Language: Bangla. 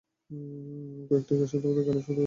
কয়েকটি দেশাত্মবোধক গানের সুরে দেশ রাগ ব্যবহৃত হয়েছে।